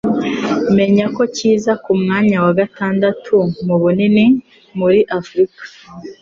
menya ko kiza ku mwanya wa gatandatu mu bunini muri Afurika.